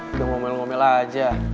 udah ngomel ngomel aja